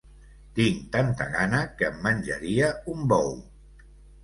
Tinc tanta gana que em menjaria un bou.